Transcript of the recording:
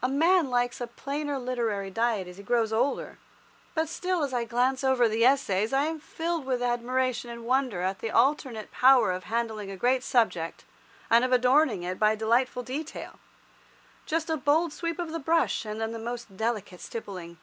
A man likes a plainer literary diet as he grows older, but still as I glance over the Essays I am filled with admiration and wonder at the alternate power of handling a great subject, and of adorning it by delightful detail—just a bold sweep of the brush, and then the most delicate stippling.